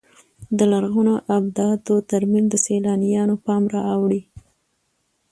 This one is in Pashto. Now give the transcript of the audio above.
د لرغونو ابداتو ترمیم د سیلانیانو پام را اړوي.